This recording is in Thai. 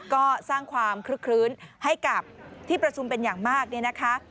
ก็สร้างความคลึกคลื้นให้กับที่ประชุมเป็นอย่างมากเนี่ยนะคะ